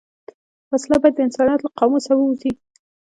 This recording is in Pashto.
وسله باید د انسانیت له قاموسه ووځي